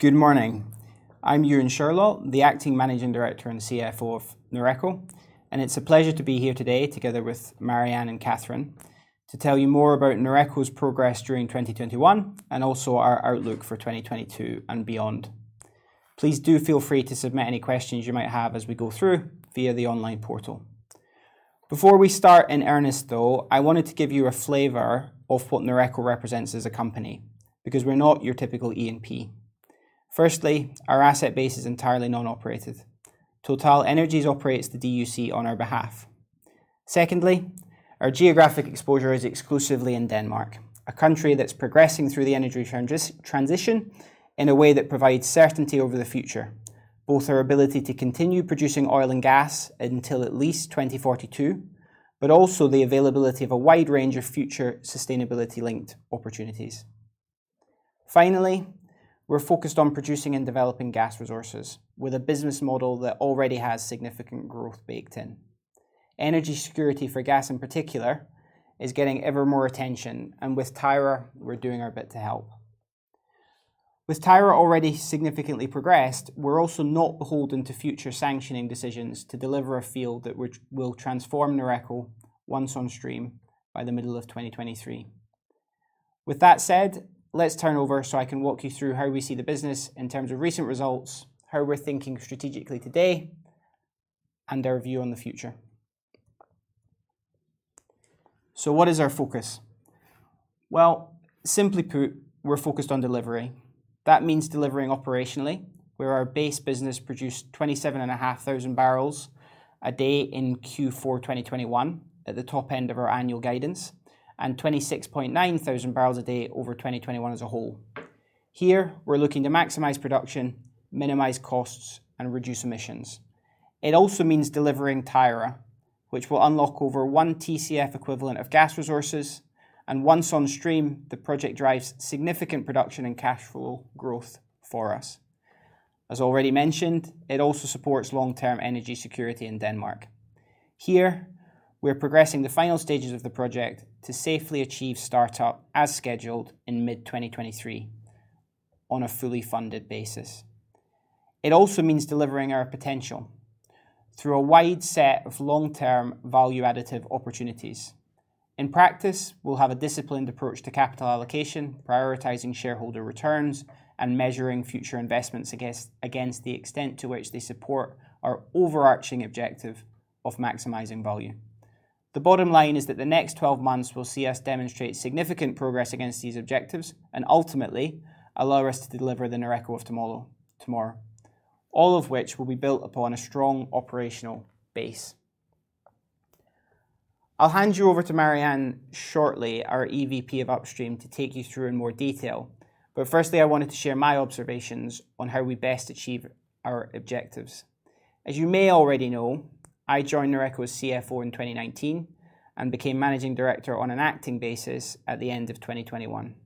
Good morning. I'm Ewan Shirlaw, the Acting Managing Director and CFO of Noreco, and it's a pleasure to be here today together with Marianne and Cathrine to tell you more about Noreco's progress during 2021, and also our outlook for 2022 and beyond. Please do feel free to submit any questions you might have as we go through via the online portal. Before we start in earnest though, I wanted to give you a flavor of what Noreco represents as a company, because we're not your typical E&P. Firstly, our asset base is entirely non-operated. TotalEnergies operates the DUC on our behalf. Secondly, our geographic exposure is exclusively in Denmark, a country that's progressing through the energy transition in a way that provides certainty over the future. Both our ability to continue producing oil and gas until at least 2042, but also the availability of a wide range of future sustainability-linked opportunities. Finally, we're focused on producing and developing gas resources with a business model that already has significant growth baked in. Energy security for gas, in particular, is getting ever more attention, and with Tyra, we're doing our bit to help. With Tyra already significantly progressed, we're also not beholden to future sanctioning decisions to deliver a field that we will transform Noreco once on stream by the middle of 2023. With that said, let's turn over so I can walk you through how we see the business in terms of recent results, how we're thinking strategically today, and our view on the future. What is our focus? Well, we're focused on delivery. That means delivering operationally, where our base business produced 27,500 barrels a day in Q4 2021 at the top end of our annual guidance, and 26,900 barrels a day over 2021 as a whole. Here, we're looking to maximize production, minimize costs, and reduce emissions. It also means delivering Tyra, which will unlock over 1 TCF equivalent of gas resources, and once on stream, the project drives significant production and cash flow growth for us. As already mentioned, it also supports long-term energy security in Denmark. Here, we're progressing the final stages of the project to safely achieve startup as scheduled in mid-2023 on a fully funded basis. It also means delivering our potential through a wide set of long-term value additive opportunities. In practice, we'll have a disciplined approach to capital allocation, prioritizing shareholder returns, and measuring future investments against the extent to which they support our overarching objective of maximizing value. The bottom line is that the next 12 months will see us demonstrate significant progress against these objectives and ultimately allow us to deliver the Noreco of tomorrow, all of which will be built upon a strong operational base. I'll hand you over to Marianne shortly, our EVP of Upstream, to take you through in more detail. Firstly, I wanted to share my observations on how we best achieve our objectives. As you may already know, I joined Noreco as CFO in 2019 and became Managing Director on an acting basis at the end of 2021.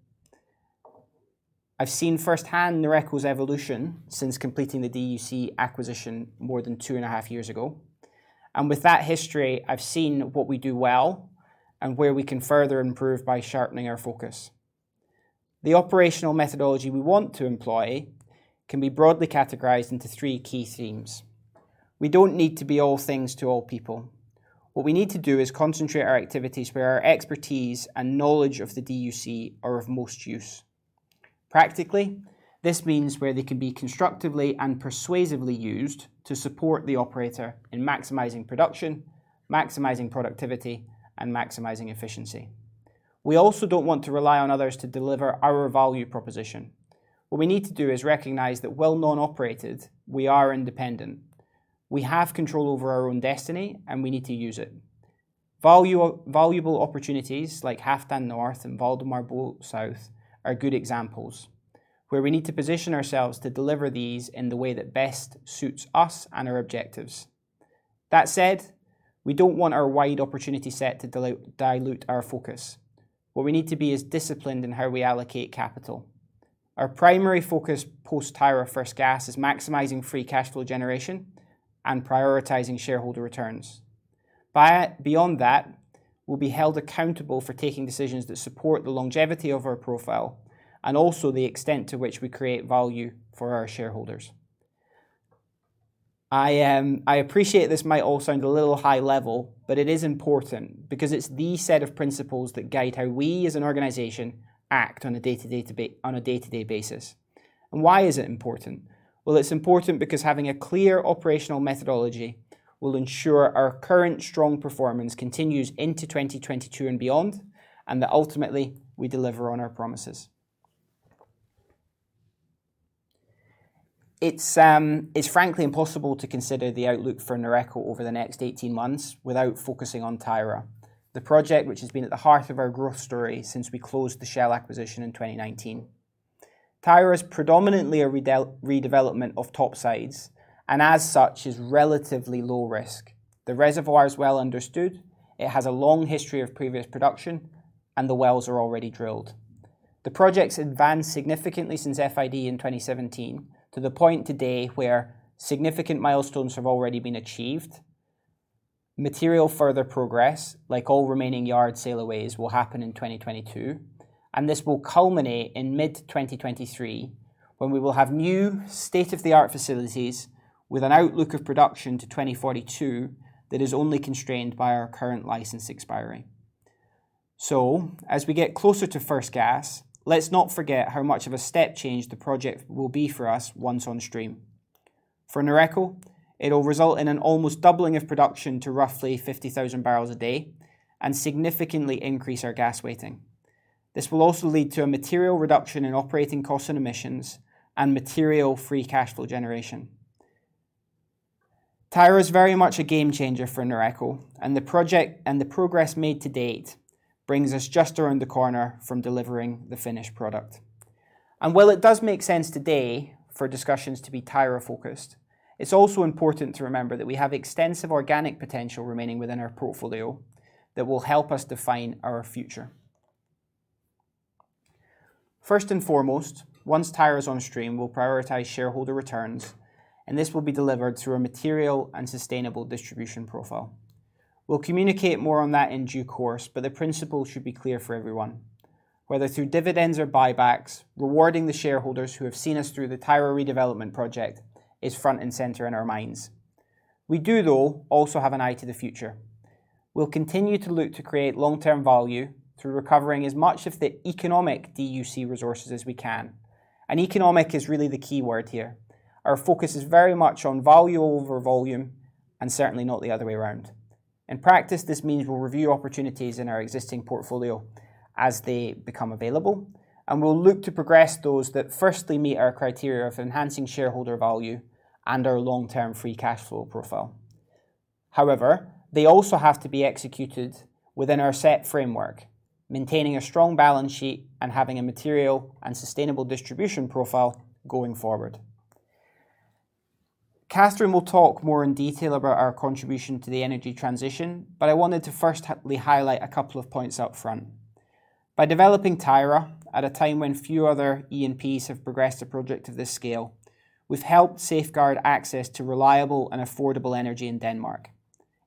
I've seen firsthand Noreco's evolution since completing the DUC acquisition more than two and a half years ago, and with that history, I've seen what we do well and where we can further improve by sharpening our focus. The Operational Methodology we want to employ can be broadly categorized into three key themes. We don't need to be all things to all people. What we need to do is concentrate our activities where our expertise and knowledge of the DUC are of most use. Practically, this means where they can be constructively and persuasively used to support the operator in maximizing production, maximizing productivity, and maximizing efficiency. We also don't want to rely on others to deliver our value proposition. What we need to do is recognize that while non-operated, we are independent. We have control over our own destiny, and we need to use it. Valuable opportunities like Halfdan North and Valdemar Bo South are good examples where we need to position ourselves to deliver these in the way that best suits us and our objectives. That said, we don't want our wide opportunity set to dilute our focus, where we need to be as disciplined in how we allocate capital. Our primary focus post Tyra first gas is maximizing free cash flow generation and prioritizing shareholder returns. Beyond that, we'll be held accountable for taking decisions that support the longevity of our profile and also the extent to which we create value for our shareholders. I appreciate this might all sound a little high level, but it is important because it's the set of principles that guide how we as an organization act on a day-to-day basis. Why is it important? Well, it's important because having a clear Operational Methodology will ensure our current strong performance continues into 2022 and beyond, and that ultimately we deliver on our promises. It's frankly impossible to consider the outlook for Noreco over the next 18 months without focusing on Tyra, the project which has been at the heart of our growth story since we closed the Shell acquisition in 2019. Tyra is predominantly a redevelopment of topsides, and as such is relatively low risk. The reservoir is well understood, it has a long history of previous production, and the wells are already drilled. The project's advanced significantly since FID in 2017 to the point today where significant milestones have already been achieved. Material further progress, like all remaining yard sail-aways, will happen in 2022, and this will culminate in mid-2023 when we will have new state-of-the-art facilities with an outlook of production to 2042 that is only constrained by our current license expiring. As we get closer to first gas, let's not forget how much of a step change the project will be for us once on stream. For Noreco, it'll result in an almost doubling of production to roughly 50,000 barrels a day and significantly increase our gas weighting. This will also lead to a material reduction in operating costs and emissions and material free cash flow generation. Tyra is very much a game changer for Noreco, and the project and the progress made to date brings us just around the corner from delivering the finished product. While it does make sense today for discussions to be Tyra-focused, it's also important to remember that we have extensive organic potential remaining within our portfolio that will help us define our future. First and foremost, once Tyra is on stream, we'll prioritize shareholder returns, and this will be delivered through a material and sustainable distribution profile. We'll communicate more on that in due course, but the principle should be clear for everyone. Whether through dividends or buybacks, rewarding the shareholders who have seen us through the Tyra redevelopment project is front and center in our minds. We do, though, also have an eye to the future. We'll continue to look to create long-term value through recovering as much of the economic DUC resources as we can. Economic is really the key word here. Our focus is very much on value over volume, and certainly not the other way around. In practice, this means we'll review opportunities in our existing portfolio as they become available, and we'll look to progress those that firstly meet our criteria of enhancing shareholder value and our long-term free cash flow profile. However, they also have to be executed within our set framework, maintaining a strong balance sheet and having a material and sustainable distribution profile going forward. Cathrine will talk more in detail about our contribution to the energy transition, but I wanted to firstly highlight a couple of points up front. By developing Tyra at a time when few other E&Ps have progressed a project of this scale, we've helped safeguard access to reliable and affordable energy in Denmark.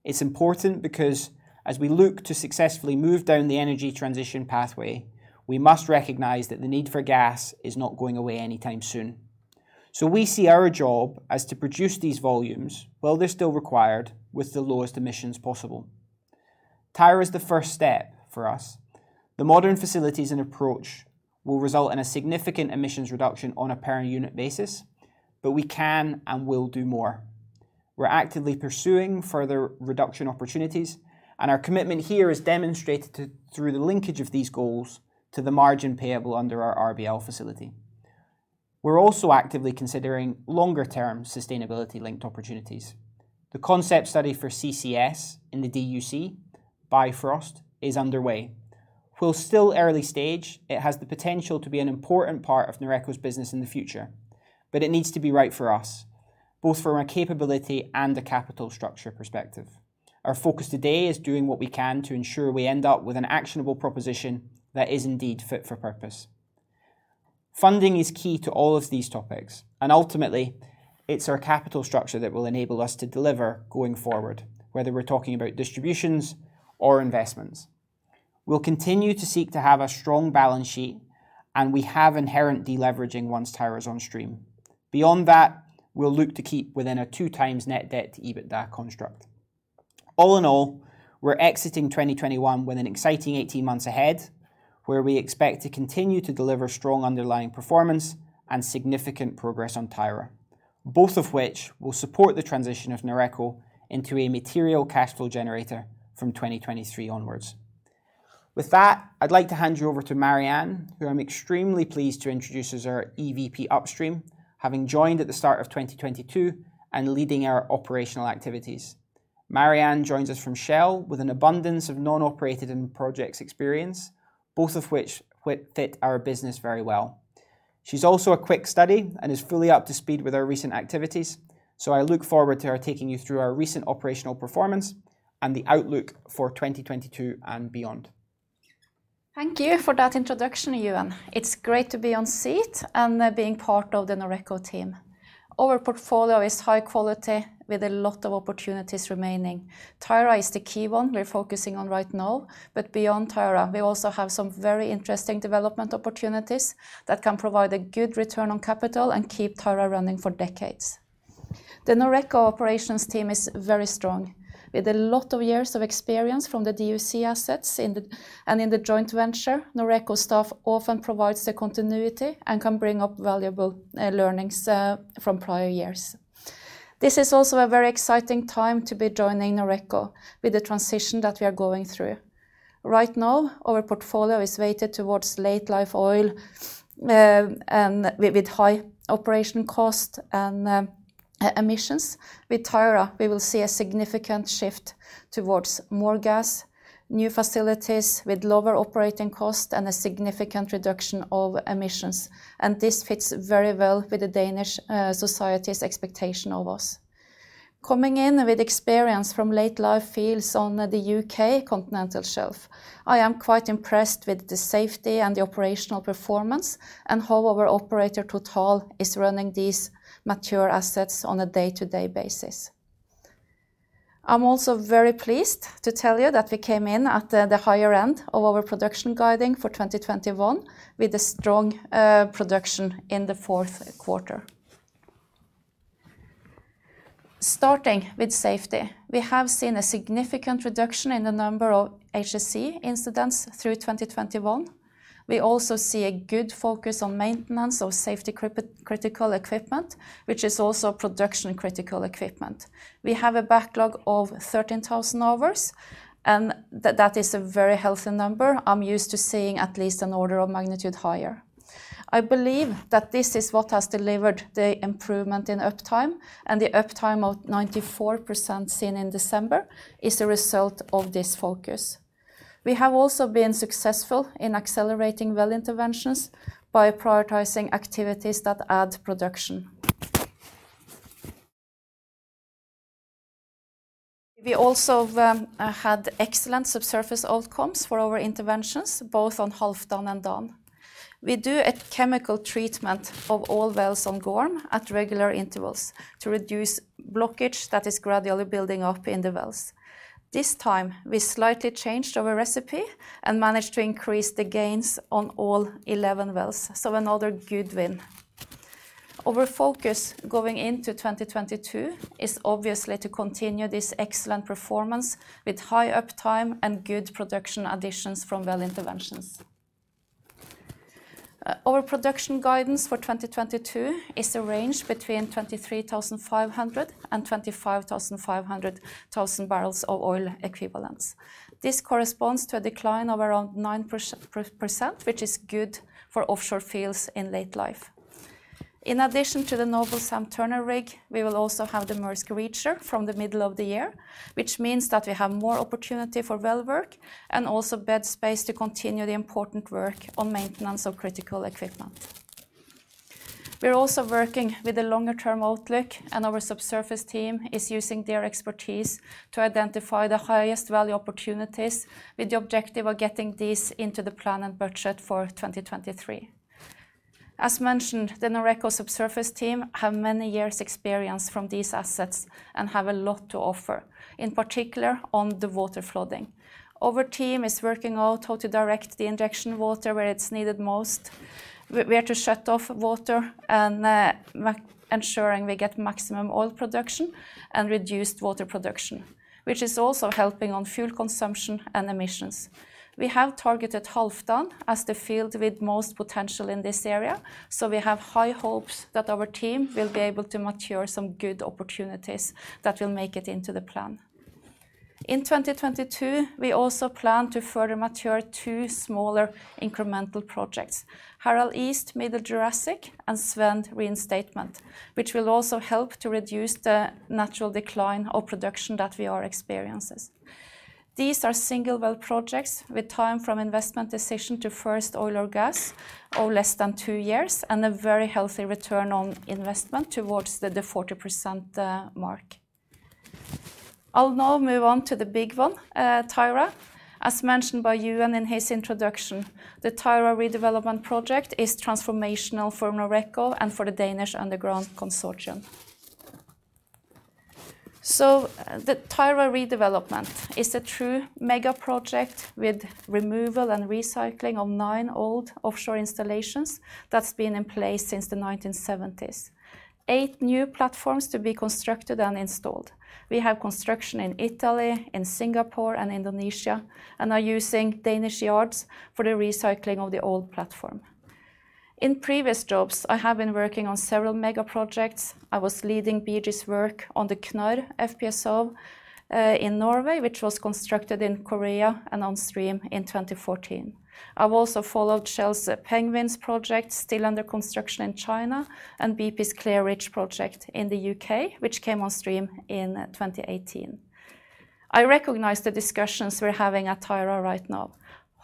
It's important because as we look to successfully move down the energy transition pathway, we must recognize that the need for gas is not going away anytime soon. We see our job as to produce these volumes while they're still required with the lowest emissions possible. Tyra is the first step for us. The modern facilities and approach will result in a significant emissions reduction on a per unit basis, but we can and will do more. We're actively pursuing further reduction opportunities, and our commitment here is demonstrated through the linkage of these goals to the margin payable under our RBL facility. We're also actively considering longer-term sustainability-linked opportunities. The concept study for CCS in the DUC, Bifrost, is underway. While still early stage, it has the potential to be an important part of Noreco's business in the future, but it needs to be right for us, both from a capability and a capital structure perspective. Our focus today is doing what we can to ensure we end up with an actionable proposition that is indeed fit for purpose. Funding is key to all of these topics, and ultimately, it's our capital structure that will enable us to deliver going forward, whether we're talking about distributions or investments. We'll continue to seek to have a strong balance sheet, and we have inherent deleveraging once Tyra is on stream. Beyond that, we'll look to keep within a 2x net debt to EBITDA construct. All in all, we're exiting 2021 with an exciting 18 months ahead, where we expect to continue to deliver strong underlying performance and significant progress on Tyra, both of which will support the transition of Noreco into a material cash flow generator from 2023 onwards. With that, I'd like to hand you over to Marianne, who I'm extremely pleased to introduce as our EVP Upstream, having joined at the start of 2022 and leading our operational activities. Marianne joins us from Shell with an abundance of non-operated and projects experience, both of which fit our business very well. She's also a quick study and is fully up to speed with our recent activities, so I look forward to her taking you through our recent operational performance and the outlook for 2022 and beyond. Thank you for that introduction, Ewan. It's great to be on board and being part of the Noreco team. Our portfolio is high quality with a lot of opportunities remaining. Tyra is the key one we're focusing on right now, but beyond Tyra, we also have some very interesting development opportunities that can provide a good return on capital and keep Tyra running for decades. The Noreco operations team is very strong. With a lot of years of experience from the DUC assets and in the joint venture, Noreco staff often provides the continuity and can bring up valuable learnings from prior years. This is also a very exciting time to be joining Noreco with the transition that we are going through. Right now, our portfolio is weighted towards late life oil, and with high operation cost and emissions. With Tyra, we will see a significant shift towards more gas, new facilities with lower operating cost and a significant reduction of emissions. This fits very well with the Danish society's expectation of us. Coming in with experience from late life fields on the U.K. continental shelf, I am quite impressed with the safety and the operational performance and how our operator, Total, is running these mature assets on a day-to-day basis. I'm also very pleased to tell you that we came in at the higher end of our production guiding for 2021 with a strong production in the fourth quarter. Starting with safety, we have seen a significant reduction in the number of HSE incidents through 2021. We also see a good focus on maintenance of safety critical equipment, which is also production critical equipment. We have a backlog of 13,000 hours and that is a very healthy number. I'm used to seeing at least an order of magnitude higher. I believe that this is what has delivered the improvement in uptime, and the uptime of 94% seen in December is a result of this focus. We have also been successful in accelerating well interventions by prioritizing activities that add production. We also had excellent subsurface outcomes for our interventions, both on Halfdan and Dan. We do a chemical treatment of all wells on Gorm at regular intervals to reduce blockage that is gradually building up in the wells. This time, we slightly changed our recipe and managed to increase the gains on all 11 wells, so another good win. Our focus going into 2022 is obviously to continue this excellent performance with high uptime and good production additions from well interventions. Our production guidance for 2022 is a range between 23,500 and 25,500 barrels of oil equivalent. This corresponds to a decline of around 9%, which is good for offshore fields in late life. In addition to the Noble Sam Turner rig, we will also have the Maersk Reacher from the middle of the year, which means that we have more opportunity for well work and also bed space to continue the important work on maintenance of critical equipment. We're also working with a longer term outlook, and our subsurface team is using their expertise to identify the highest value opportunities with the objective of getting these into the plan and budget for 2023. As mentioned, the Noreco subsurface team have many years' experience from these assets and have a lot to offer, in particular on the water flooding. Our team is working out how to direct the injection water where it's needed most. We are to shut off water and ensuring we get maximum oil production and reduced water production, which is also helping on fuel consumption and emissions. We have targeted Halfdan as the field with most potential in this area, so we have high hopes that our team will be able to mature some good opportunities that will make it into the plan. In 2022, we also plan to further mature two smaller incremental projects, Harald East Middle Jurassic and Svend Reinstatement, which will also help to reduce the natural decline of production that we are experiencing. These are single well projects with time from investment decision to first oil or gas of less than two years and a very healthy return on investment towards the 40% mark. I'll now move on to the big one, Tyra. As mentioned by Ewan in his introduction, the Tyra redevelopment project is transformational for Noreco and for the Danish Underground Consortium. The Tyra redevelopment is a true mega project with removal and recycling of nine old offshore installations that's been in place since the 1970s. Eight new platforms to be constructed and installed. We have construction in Italy, in Singapore and Indonesia and are using Danish yards for the recycling of the old platform. In previous jobs, I have been working on several mega projects. I was leading BG's work on the Knarr FPSO in Norway, which was constructed in Korea and on stream in 2014. I've also followed Shell's Penguins project still under construction in China and BP's Clair Ridge project in the U.K., which came on stream in 2018. I recognize the discussions we're having at Tyra right now.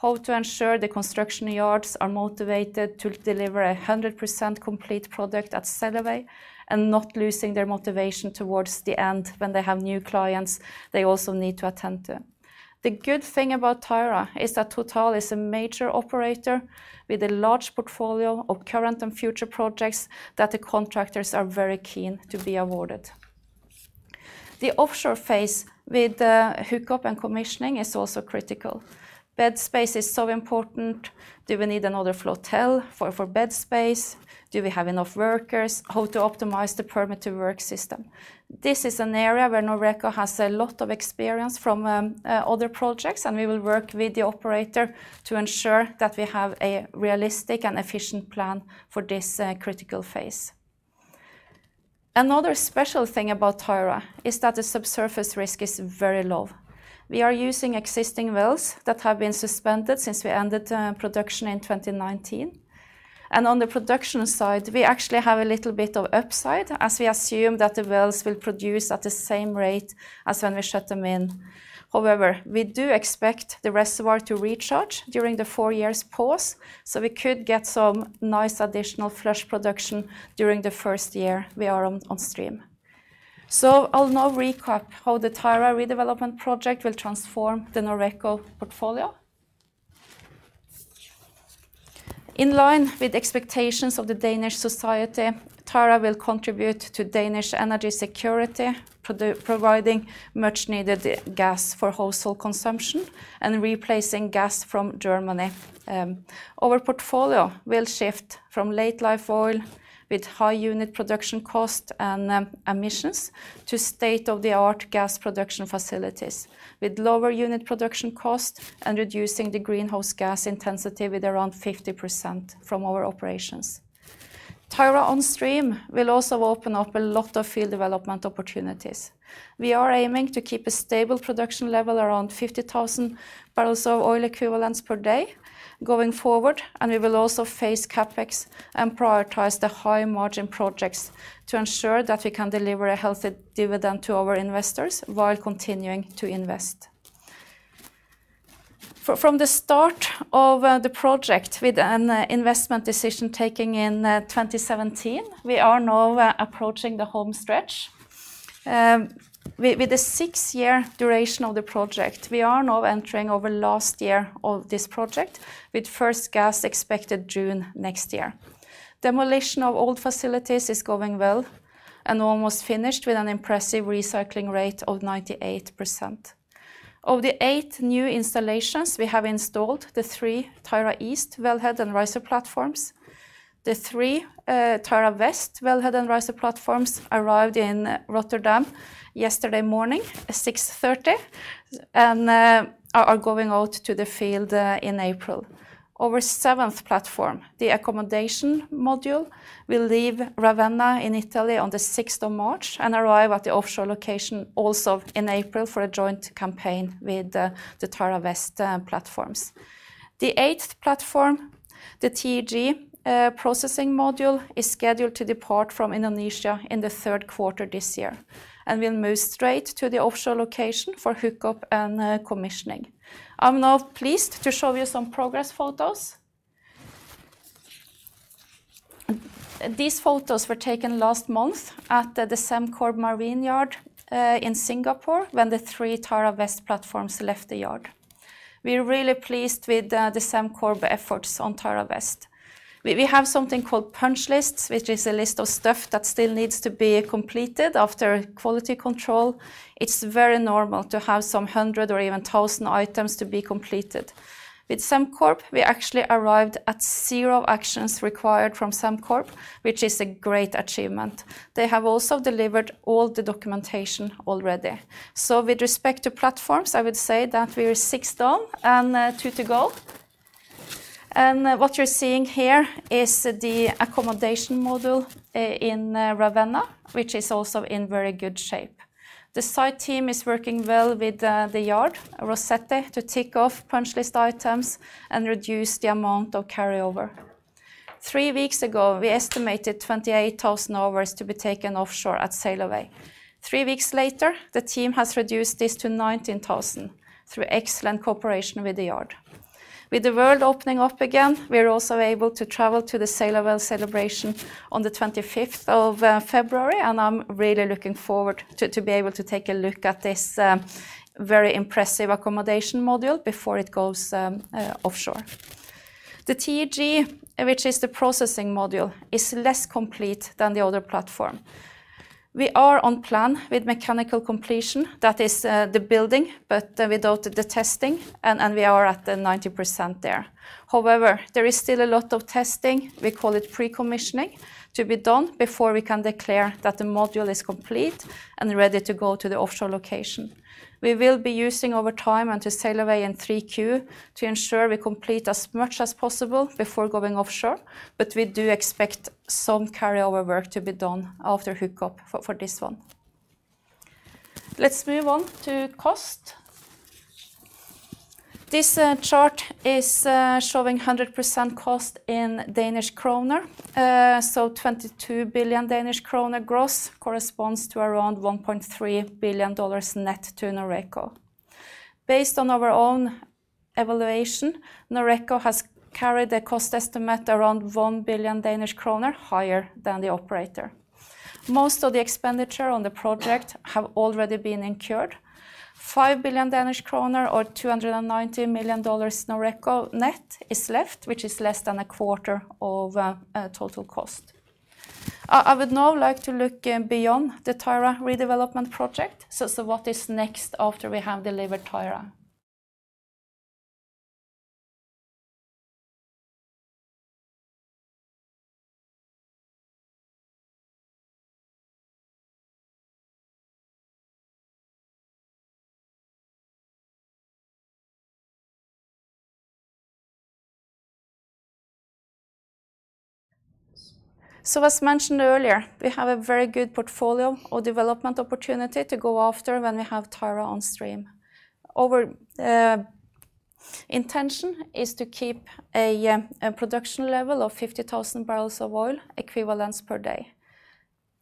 How to ensure the construction yards are motivated to deliver a 100% complete product at sail away and not losing their motivation towards the end when they have new clients they also need to attend to. The good thing about Tyra is that Total is a major operator with a large portfolio of current and future projects that the contractors are very keen to be awarded. The offshore phase with the hookup and commissioning is also critical. Bed space is so important. Do we need another flotel for bed space? Do we have enough workers? How to optimize the permit to work system? This is an area where Noreco has a lot of experience from other projects, and we will work with the operator to ensure that we have a realistic and efficient plan for this critical phase. Another special thing about Tyra is that the subsurface risk is very low. We are using existing wells that have been suspended since we ended production in 2019. On the production side, we actually have a little bit of upside as we assume that the wells will produce at the same rate as when we shut them in. However, we do expect the reservoir to recharge during the four-year pause, so we could get some nice additional fresh production during the first year we are on stream. I'll now recap how the Tyra redevelopment project will transform the Noreco portfolio. In line with expectations of the Danish society, Tyra will contribute to Danish energy security, providing much needed gas for household consumption and replacing gas from Germany. Our portfolio will shift from late life oil with high unit production cost and emissions to state-of-the-art gas production facilities with lower unit production cost and reducing the greenhouse gas intensity with around 50% from our operations. Tyra on stream will also open up a lot of field development opportunities. We are aiming to keep a stable production level around 50,000 barrels of oil equivalents per day going forward, and we will also phase CapEx and prioritize the high margin projects to ensure that we can deliver a healthy dividend to our investors while continuing to invest. From the start of the project with an investment decision taking in 2017, we are now approaching the home stretch. With the six-year duration of the project, we are now entering our last year of this project with first gas expected June next year. Demolition of old facilities is going well and almost finished with an impressive recycling rate of 98%. Of the eight new installations, we have installed the three Tyra East wellhead and riser platforms. The three Tyra West wellhead and riser platforms arrived in Rotterdam yesterday morning at 6:30 A.M. and are going out to the field in April. Our seventh platform, the accommodation module, will leave Ravenna in Italy on the sixth of March and arrive at the offshore location also in April for a joint campaign with the Tyra West platforms. The eighth platform, the TEG processing module, is scheduled to depart from Indonesia in the third quarter this year and will move straight to the offshore location for hookup and commissioning. I'm now pleased to show you some progress photos. These photos were taken last month at the Sembcorp Marine yard in Singapore when the three Tyra West platforms left the yard. We're really pleased with the Sembcorp efforts on Tyra West. We have something called punch lists, which is a list of stuff that still needs to be completed after quality control. It's very normal to have some 100 or even 1,000 items to be completed. With Sembcorp, we actually arrived at zero actions required from Sembcorp, which is a great achievement. They have also delivered all the documentation already. With respect to platforms, I would say that we are six done and two to go. What you're seeing here is the accommodation module in Ravenna, which is also in very good shape. The site team is working well with the yard, Rosetti, to tick off punch list items and reduce the amount of carryover. Three weeks ago, we estimated 28,000 hours to be taken offshore at sail away. Three weeks later, the team has reduced this to 19,000 through excellent cooperation with the yard. With the world opening up again, we are also able to travel to the sail away celebration on the 25th of February, and I'm really looking forward to be able to take a look at this very impressive accommodation module before it goes offshore. The TEG, which is the processing module, is less complete than the other platform. We are on plan with mechanical completion. That is the building but without the testing and we are at the 90% there. However, there is still a lot of testing, we call it pre-commissioning, to be done before we can declare that the module is complete and ready to go to the offshore location. We will be using our time until sail away in 3Q to ensure we complete as much as possible before going offshore, but we do expect some carryover work to be done after hookup for this one. Let's move on to cost. This chart is showing 100% cost in Danish kroner. So 22 billion Danish kroner gross corresponds to around $1.3 billion net to Noreco. Based on our own evaluation, Noreco has carried the cost estimate around 1 billion Danish kroner higher than the operator. Most of the expenditure on the project have already been incurred. 5 billion Danish kroner or $290 million Noreco net is left, which is less than a quarter of total cost. I would now like to look beyond the Tyra redevelopment project. What is next after we have delivered Tyra? As mentioned earlier, we have a very good portfolio of development opportunities to go after when we have Tyra on stream. Our intention is to keep a production level of 50,000 barrels of oil equivalent per day.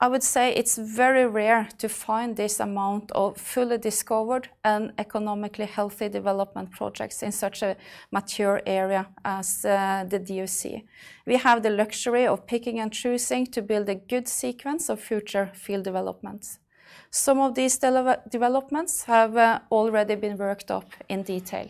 I would say it's very rare to find this amount of fully discovered and economically healthy development projects in such a mature area as the DUC. We have the luxury of picking and choosing to build a good sequence of future field developments. Some of these developments have already been worked up in detail.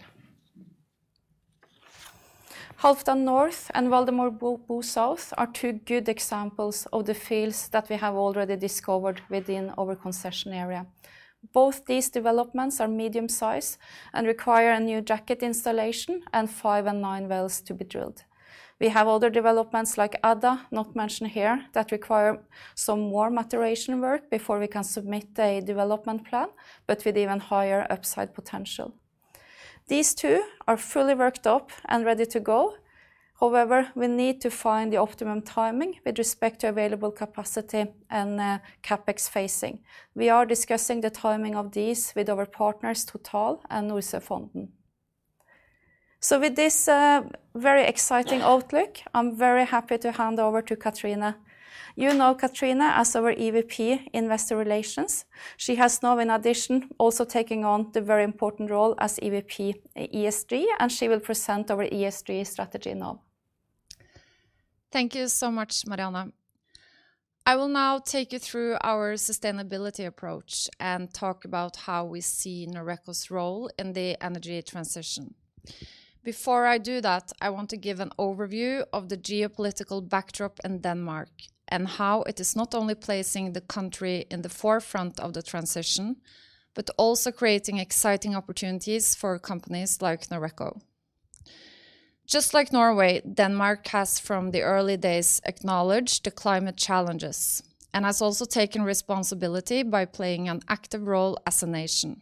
Halfdan North and Valdemar Bo South are two good examples of the fields that we have already discovered within our concession area. Both these developments are medium-sized and require a new jacket installation and four and nine wells to be drilled. We have other developments like Ada, not mentioned here, that require some more maturation work before we can submit a development plan, but with even higher upside potential. These two are fully worked up and ready to go. However, we need to find the optimum timing with respect to available capacity and CapEx facing. We are discussing the timing of these with our partners, Total and Odfjell Drilling. With this very exciting outlook, I'm very happy to hand over to Cathrine. You know Cathrine as our EVP Investor Relations. She has now in addition also taking on the very important role as EVP ESG, and she will present our ESG strategy now. Thank you so much, Marianne. I will now take you through our sustainability approach and talk about how we see Noreco's role in the energy transition. Before I do that, I want to give an overview of the geopolitical backdrop in Denmark and how it is not only placing the country in the forefront of the transition, but also creating exciting opportunities for companies like Noreco. Just like Norway, Denmark has from the early days acknowledged the climate challenges and has also taken responsibility by playing an active role as a nation.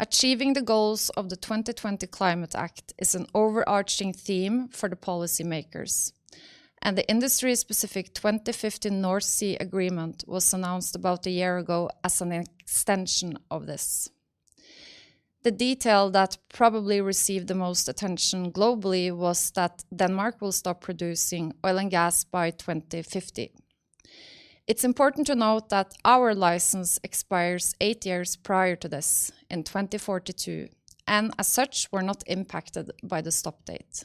Achieving the goals of the 2020 Climate Act is an overarching theme for the policymakers, and the industry-specific 2020 North Sea Agreement was announced about a year ago as an extension of this. The detail that probably received the most attention globally was that Denmark will stop producing oil and gas by 2050. It's important to note that our license expires eight years prior to this in 2042, and as such, we're not impacted by the stop date.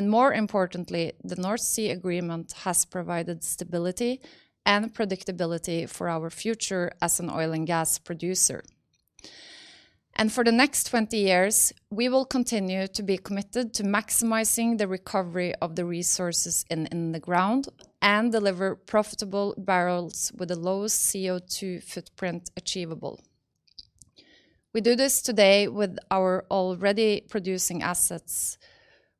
More importantly, the North Sea Agreement has provided stability and predictability for our future as an oil and gas producer. For the next 20 years, we will continue to be committed to maximizing the recovery of the resources in the ground and deliver profitable barrels with the lowest CO2 footprint achievable. We do this today with our already producing assets.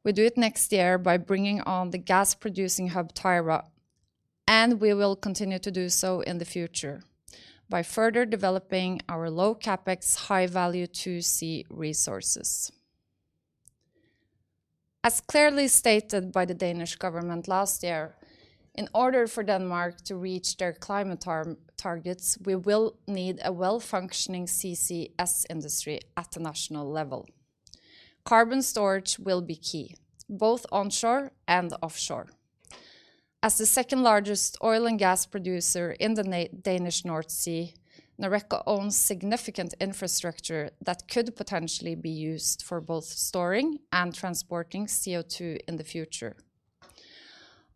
We do it next year by bringing on the gas-producing hub Tyra, and we will continue to do so in the future by further developing our low CapEx, high value 2C resources. As clearly stated by the Danish government last year, in order for Denmark to reach their climate targets, we will need a well-functioning CCS industry at the national level. Carbon storage will be key, both onshore and offshore. As the second-largest oil and gas producer in the Danish North Sea, Noreco owns significant infrastructure that could potentially be used for both storing and transporting CO2 in the future.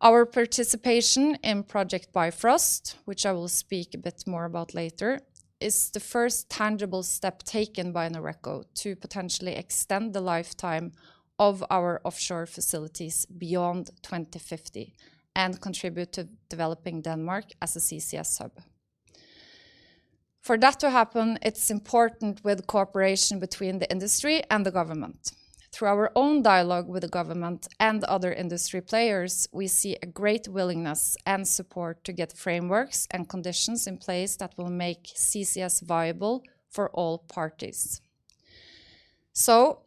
Our participation in Project Bifrost, which I will speak a bit more about later, is the first tangible step taken by Noreco to potentially extend the lifetime of our offshore facilities beyond 2050 and contribute to developing Denmark as a CCS hub. For that to happen, it's important with cooperation between the industry and the government. Through our own dialogue with the government and other industry players, we see a great willingness and support to get frameworks and conditions in place that will make CCS viable for all parties.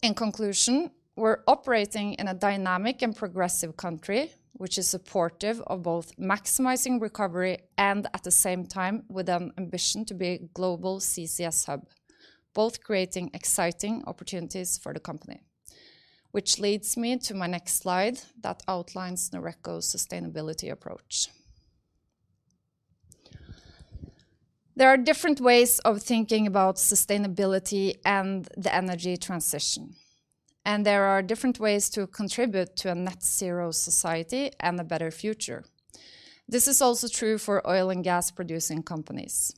In conclusion, we're operating in a dynamic and progressive country, which is supportive of both maximizing recovery and at the same time with an ambition to be a global CCS hub, both creating exciting opportunities for the company, which leads me to my next Slide that outlines Noreco's sustainability approach. There are different ways of thinking about sustainability and the energy transition, and there are different ways to contribute to a net zero society and a better future. This is also true for oil and gas producing companies.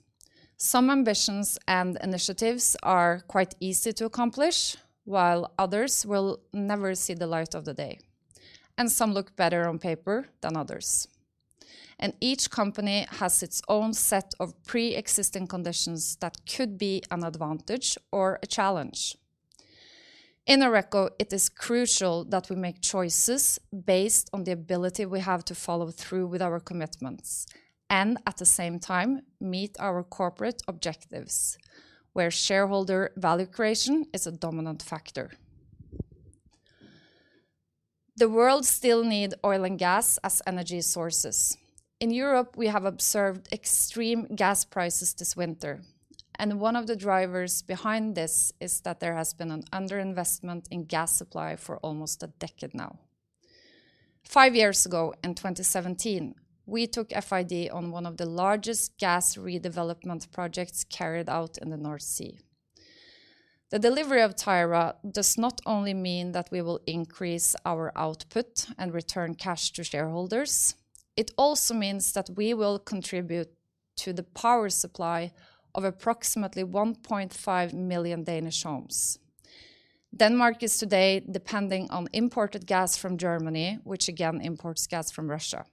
Some ambitions and initiatives are quite easy to accomplish, while others will never see the light of the day, and some look better on paper than others. Each company has its own set of preexisting conditions that could be an advantage or a challenge. In Noreco, it is crucial that we make choices based on the ability we have to follow through with our commitments and at the same time meet our corporate objectives where shareholder value creation is a dominant factor. The world still need oil and gas as energy sources. In Europe, we have observed extreme gas prices this winter, and one of the drivers behind this is that there has been an underinvestment in gas supply for almost a decade now. Five years ago in 2017, we took FID on one of the largest gas redevelopment projects carried out in the North Sea. The delivery of Tyra does not only mean that we will increase our output and return cash to shareholders, it also means that we will contribute to the power supply of approximately 1.5 million Danish homes. Denmark is today depending on imported gas from Germany, which again imports gas from Russia.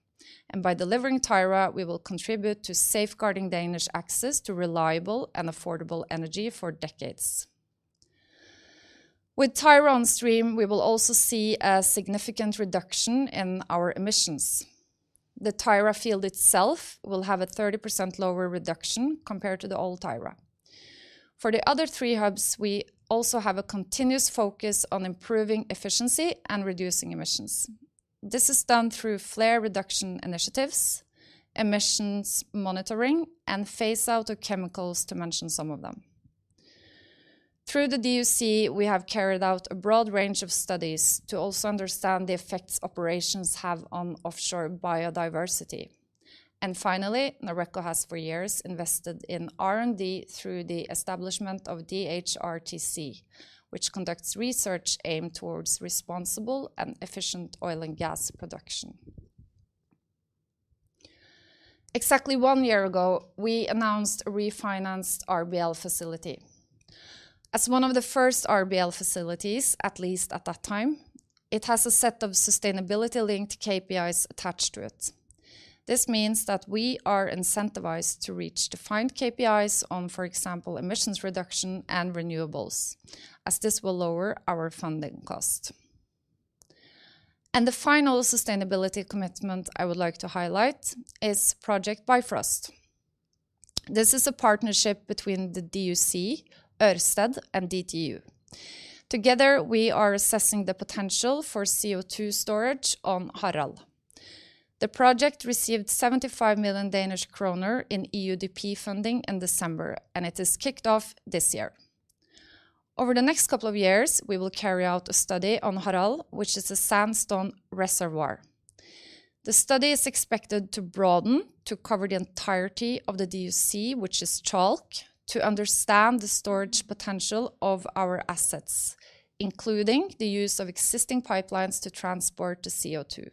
By delivering Tyra, we will contribute to safeguarding Danish access to reliable and affordable energy for decades. With Tyra on stream, we will also see a significant reduction in our emissions. The Tyra field itself will have a 30% lower reduction compared to the old Tyra. For the other three hubs, we also have a continuous focus on improving efficiency and reducing emissions. This is done through flare reduction initiatives, emissions monitoring, and phase out of chemicals, to mention some of them. Through the DUC, we have carried out a broad range of studies to also understand the effects operations have on offshore biodiversity. Finally, Noreco has for years invested in R&D through the establishment of DHRTC, which conducts research aimed towards responsible and efficient oil and gas production. Exactly one year ago, we announced a refinanced RBL facility. As one of the first RBL facilities, at least at that time, it has a set of sustainability-linked KPIs attached to it. This means that we are incentivized to reach defined KPIs on, for example, emissions reduction and renewables, as this will lower our funding cost. The final sustainability commitment I would like to highlight is Project Bifrost. This is a partnership between the DUC, Ørsted, and DTU. Together, we are assessing the potential for CO2 storage on Harald. The project received 75 million Danish kroner in EUDP funding in December, and it is kicked off this year. Over the next couple of years, we will carry out a study on Harald, which is a sandstone reservoir. The study is expected to broaden to cover the entirety of the DUC, which is chalk, to understand the storage potential of our assets, including the use of existing pipelines to transport the CO2.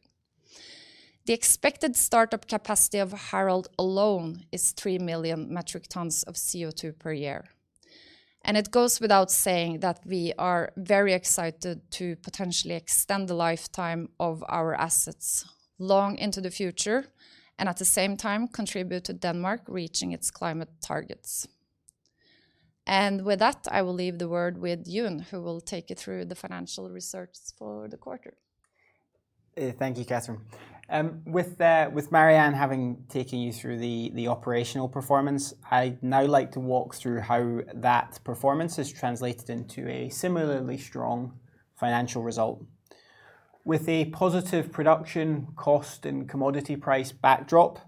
The expected startup capacity of Harald alone is 3 million metric tons of CO2 per year. It goes without saying that we are very excited to potentially extend the lifetime of our assets long into the future, and at the same time contribute to Denmark reaching its climate targets. With that, I will leave the word with Ewan, who will take you through the financial results for the quarter. Thank you, Cathrine. With with Marianne having taken you through the operational performance, I'd now like to walk through how that performance has translated into a similarly strong financial result. With a positive production cost and commodity price backdrop,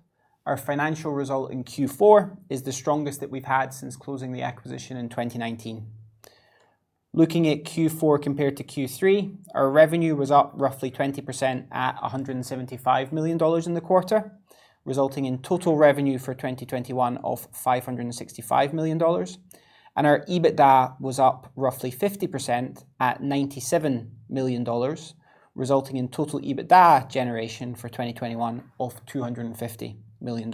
our financial result in Q4 is the strongest that we've had since closing the acquisition in 2019. Looking at Q4 compared to Q3, our revenue was up roughly 20% at $175 million in the quarter, resulting in total revenue for 2021 of $565 million. Our EBITDA was up roughly 50% at $97 million, resulting in total EBITDA generation for 2021 of $250 million.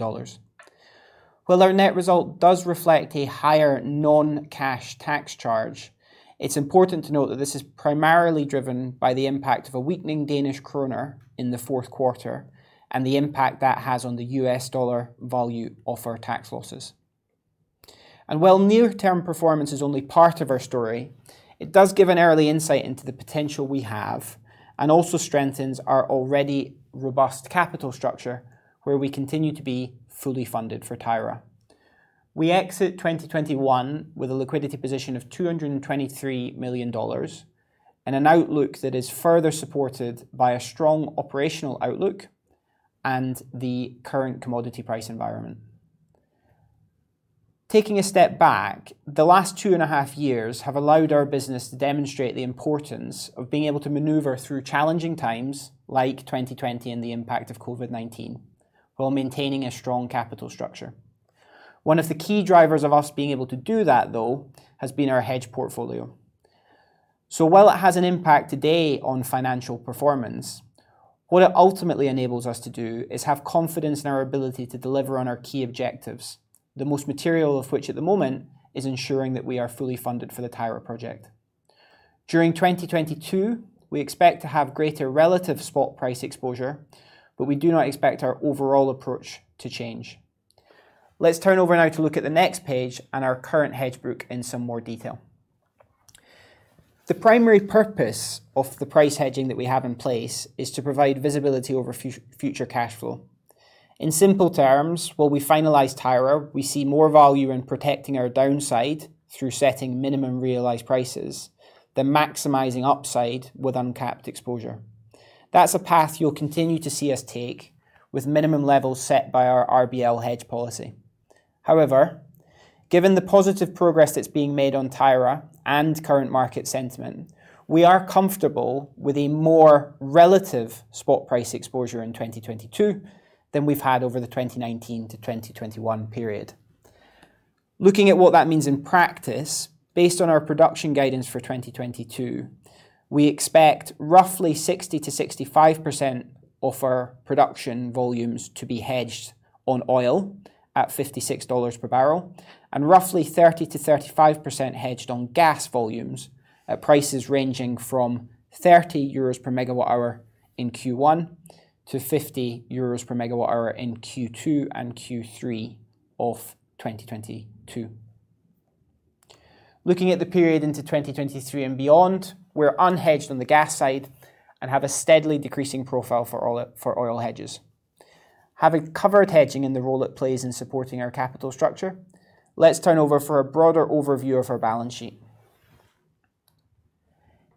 While our net result does reflect a higher non-cash tax charge, it's important to note that this is primarily driven by the impact of a weakening Danish kroner in the fourth quarter and the impact that has on the U.S. dollar value of our tax losses. While near-term performance is only part of our story, it does give an early insight into the potential we have and also strengthens our already robust capital structure where we continue to be fully funded for Tyra. We exit 2021 with a liquidity position of $223 million and an outlook that is further supported by a strong operational outlook and the current commodity price environment. Taking a step back, the last two and a half years have allowed our business to demonstrate the importance of being able to maneuver through challenging times like 2020 and the impact of COVID-19 while maintaining a strong capital structure. One of the key drivers of us being able to do that, though, has been our hedge portfolio. While it has an impact today on financial performance, what it ultimately enables us to do is have confidence in our ability to deliver on our key objectives, the most material of which at the moment is ensuring that we are fully funded for the Tyra project. During 2022, we expect to have greater relative spot price exposure, but we do not expect our overall approach to change. Let's turn over now to look at the next page and our current hedge book in some more detail. The primary purpose of the price hedging that we have in place is to provide visibility over future cash flow. In simple terms, while we finalize Tyra, we see more value in protecting our downside through setting minimum realized prices than maximizing upside with uncapped exposure. That's a path you'll continue to see us take with minimum levels set by our RBL hedge policy. However, given the positive progress that's being made on Tyra and current market sentiment, we are comfortable with a more relative spot price exposure in 2022 than we've had over the 2019-2021 period. Looking at what that means in practice, based on our production guidance for 2022, we expect roughly 60%-65% of our production volumes to be hedged on oil at $56 per barrel and roughly 30%-35% hedged on gas volumes at prices ranging from 30 euros per megawatt-hour in Q1 to 50 euros per megawatt-hour in Q2 and Q3 of 2022. Looking at the period into 2023 and beyond, we're unhedged on the gas side and have a steadily decreasing profile for oil hedges. Having covered hedging and the role it plays in supporting our capital structure, let's turn to a broader overview of our balance sheet.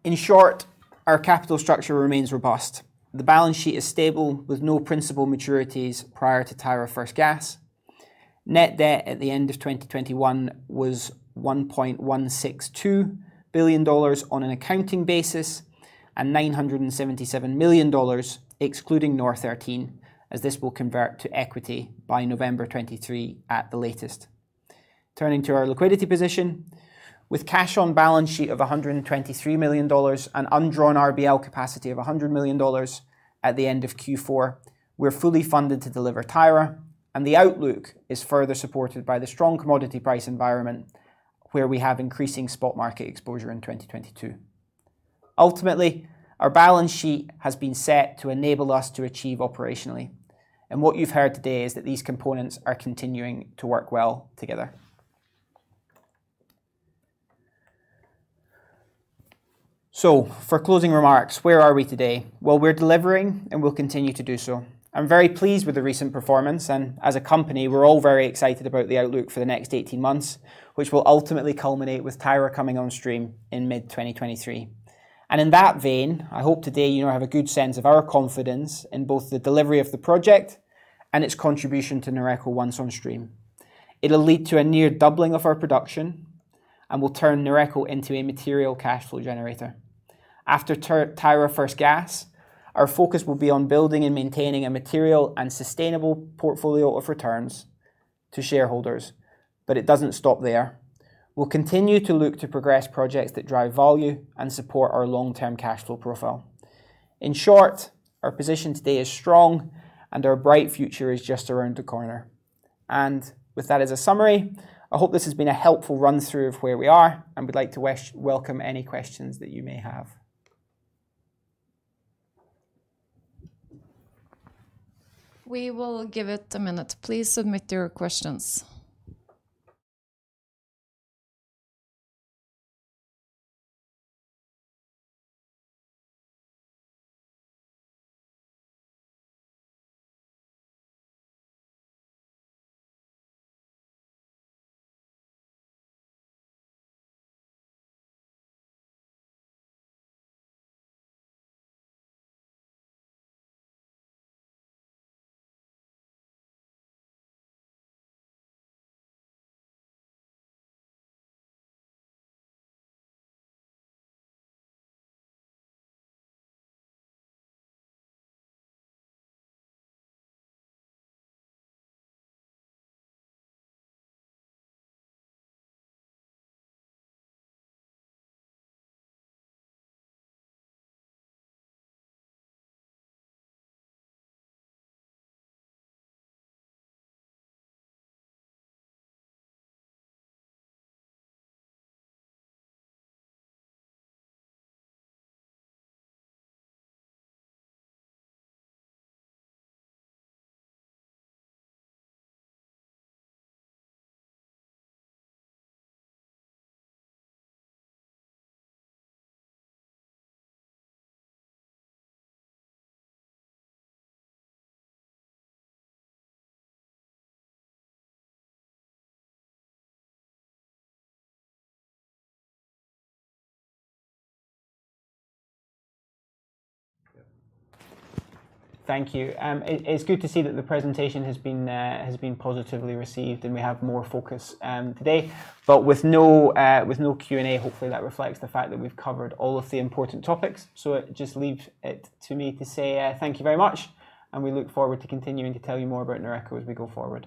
In short, our capital structure remains robust. The balance sheet is stable with no principal maturities prior to Tyra first gas. Net debt at the end of 2021 was $1.162 billion on an accounting basis, and $977 million excluding Note 13, as this will convert to equity by November 2023 at the latest. Turning to our liquidity position. With cash on balance sheet of $123 million and undrawn RBL capacity of $100 million at the end of Q4, we're fully funded to deliver Tyra, and the outlook is further supported by the strong commodity price environment where we have increasing spot market exposure in 2022. Ultimately, our balance sheet has been set to enable us to achieve operationally, and what you've heard today is that these components are continuing to work well together. For closing remarks, where are we today? Well, we're delivering, and we'll continue to do so. I'm very pleased with the recent performance, and as a company, we're all very excited about the outlook for the next 18 months, which will ultimately culminate with Tyra coming on stream in mid-2023. In that vein, I hope today you now have a good sense of our confidence in both the delivery of the project and its contribution to Noreco once on stream. It'll lead to a near doubling of our production and will turn Noreco into a material cash flow generator. After Tyra first gas, our focus will be on building and maintaining a material and sustainable portfolio of returns to shareholders, but it doesn't stop there. We'll continue to look to progress projects that drive value and support our long-term cash flow profile. In short, our position today is strong, and our bright future is just around the corner. With that as a summary, I hope this has been a helpful run-through of where we are and would like to welcome any questions that you may have. We will give it a minute. Please submit your questions. Thank you. It's good to see that the presentation has been positively received, and we have more focus today. With no Q&A, hopefully that reflects the fact that we've covered all of the important topics. It just leaves it to me to say thank you very much, and we look forward to continuing to tell you more about Noreco as we go forward.